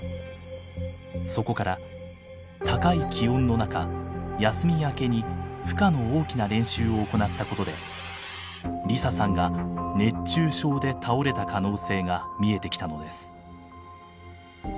そこから高い気温の中休み明けに負荷の大きな練習を行ったことで梨沙さんが熱中症で倒れた可能性が見えてきたのです。